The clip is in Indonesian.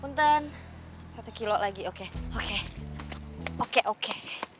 puntan satu kilo lagi oke oke oke oke